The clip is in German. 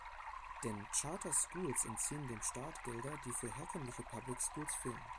Denn Charter Schools entziehen dem Staat Gelder, die für herkömmliche public schools fehlen.